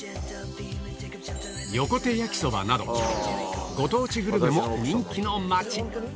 横手やきそばなどご当地グルメも人気の町